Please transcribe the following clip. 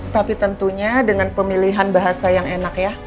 tapi tentunya dengan pemilihan bahasa yang enak ya